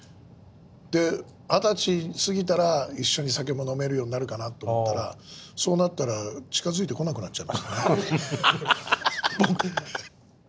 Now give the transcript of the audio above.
で２０歳過ぎたら一緒に酒も飲めるようになるかなと思ったらそうなったら近づいてこなくなっちゃいました。